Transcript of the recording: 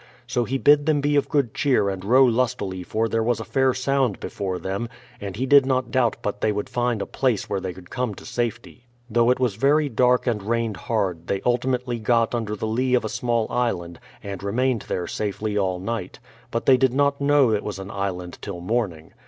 So he bid them be of good cheer and row lustily for there was a fair sound before them, and he did not doubt but they would find a place where they could come to safely. Though it was very dark and rained hard, they ultimately got under the lee of a small island, and remained there safely all night; but they did not know it was an island till morning.